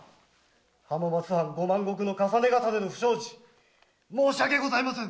浜松藩五万石のかさねがさねの不祥事申し訳ございませぬ！